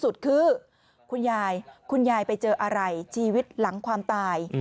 สุดคือคุณยายคุณยายไปเจออะไรชีวิตหลังความตาย